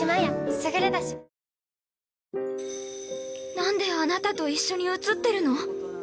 ◆何であなたと一緒に写ってるの？